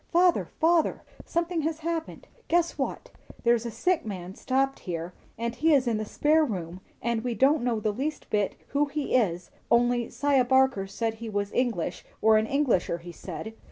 "Father, father! something has happened. Guess what. There's a sick man stopped here, and he is in the spare room, and we don't know the least bit who he is; only 'Siah Barker said he was English, or an 'Englisher,' he said.